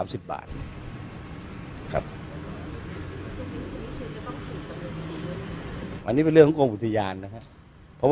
มีการที่จะพยายามติดศิลป์บ่นเจ้าพระงานนะครับ